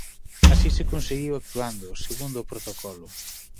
Así se conseguiu actuando "segundo o protocolo".